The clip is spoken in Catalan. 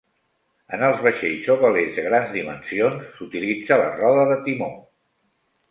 En els vaixells o velers de grans dimensions s'utilitza la roda de timó.